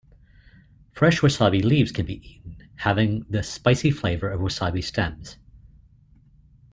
Fresh wasabi leaves can be eaten, having the spicy flavor of wasabi stems.